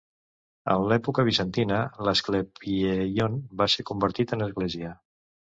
En l'època bizantina, l'Asclepieion va ser convertit en església.